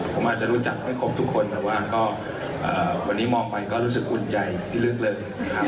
ผมอาจจะรู้จักไม่ครบทุกคนแต่ว่าก็วันนี้มองไปก็รู้สึกอุ่นใจที่ลึกเลยนะครับ